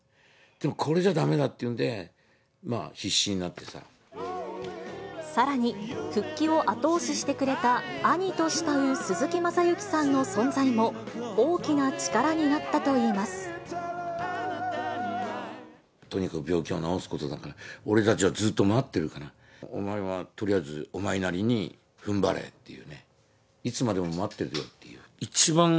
でもこれじゃあだめだっていうんで、さらに、復帰を後押ししてくれた、兄と慕う鈴木雅之さんの存在も、とにかく病気を治すことだから、俺たちはずっと待ってるから、お前はとりあえずお前なりにふんばれっていうね、いつまでも待ってるよっていう。